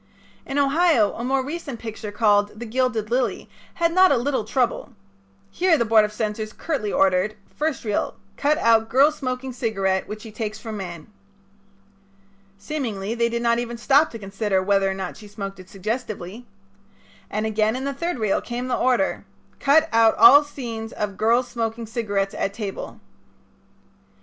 In Ohio a more recent picture called "The Gilded Lily" had not a little trouble. Here the Board of Censors curtly ordered: "First Reel Cut out girl smoking cigarette which she takes from man." Seemingly they did not even stop to consider whether or not she smoked it suggestively. And again in the third reel came the order: "Cut out all scenes of girl's smoking cigarette at table."